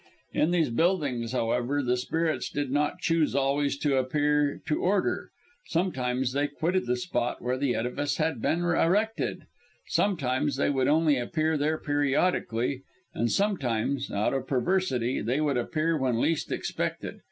In these buildings, however, the spirits did not choose always, to appear to order sometimes they quitted the spot where the edifice had been erected; sometimes they would only appear there periodically; and sometimes, out of perversity, they would appear when least expected.